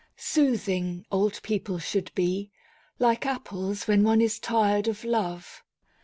Soothing, old people should be, like apples when one is tired of love.